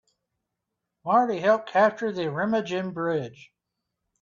Marty helped capture the Remagen Bridge.